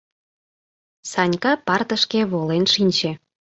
Санька партышке волен шинче.